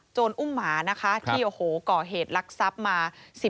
โจรอุ้มหมานะคะที่ก่อเหตุลักษณ์ทรัพย์มา